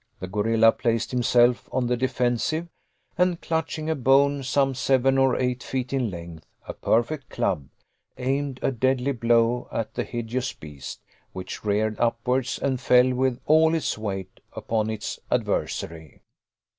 The gorilla placed himself on the defensive, and clutching a bone some seven or eight feet in length, a perfect club, aimed a deadly blow at the hideous beast, which reared upwards and fell with all its weight upon its adversary.